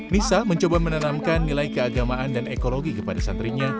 nisa mencoba menanamkan nilai keagamaan dan ekologi kepada santrinya